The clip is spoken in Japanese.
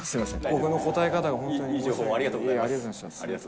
僕の答え方が本当にありがとうございます。